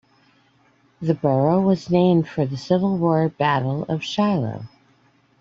The borough was named for the Civil War Battle of Shiloh.